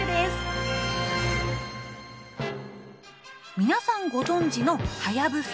みなさんご存じの「はやぶさ」。